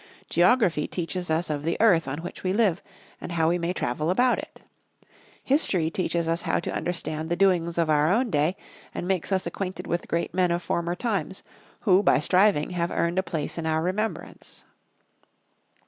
Geography teaches us of the earth on which we live, and how we may travel about it. History teaches us how to understand the doings of our own day and makes us acquainted with great men of former times, who by striving have earned a place in our remembrance.